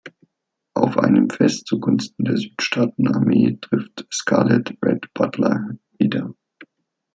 Auf einem Fest zu Gunsten der Südstaaten-Armee trifft Scarlett Rhett Butler wieder.